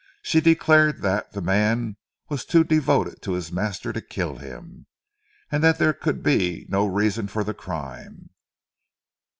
She declared that the man was too devoted to his master to kill him, and that there could be no reason for the crime.